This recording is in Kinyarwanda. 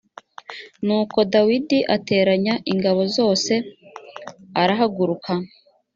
nuko dawidi ateranya ingabo zose arahaguruka